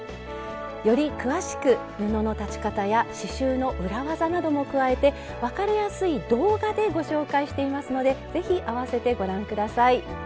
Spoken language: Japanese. より詳しく布の裁ち方や刺しゅうの裏技なども加えて分かりやすい動画でご紹介していますのでぜひあわせてご覧下さい。